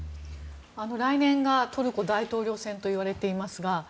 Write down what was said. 来年がトルコ大統領選といわれていますが。